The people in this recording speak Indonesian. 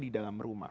di dalam rumah